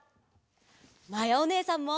まやおねえさんも！